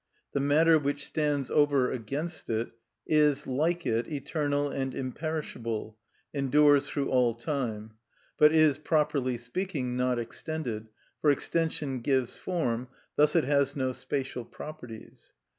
The matter which stands over against it is, like it, eternal and imperishable, endures through all time, but is, properly speaking, not extended, for extension gives form, thus it has no spatial properties.